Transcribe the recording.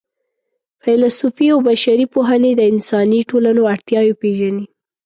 فېلسوفي او بشري پوهنې د انساني ټولنو اړتیاوې پېژني.